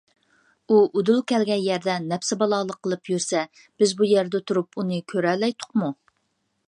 ئۇ ئۇدۇل كەلگەن يەردە نەپسى بالالىق قىلىپ يۈرسە، بىز بۇ يەردە تۇرۇپ ئۇنى كۆرەلەيتتۇقمۇ؟